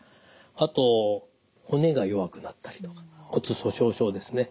あと骨が弱くなったりとか骨粗しょう症ですね。